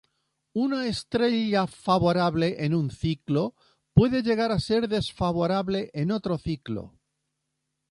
Una estrella favorable en un ciclo puede llegar a ser desfavorable en otro ciclo.